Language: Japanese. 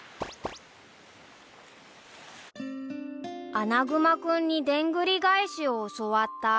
［アナグマ君にでんぐり返しを教わった］